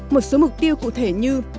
một số mục tiêu cụ thể như